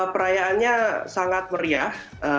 perayaannya sangat meriah